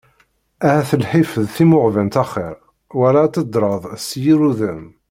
Ahat lḥif d timuɣbent axir, wala ad teddreḍ s yir udem.